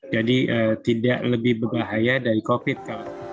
jadi tidak lebih berbahaya dari covid sembilan belas